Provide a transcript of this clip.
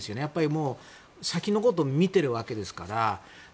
やっぱり先のことを見てるわけですから。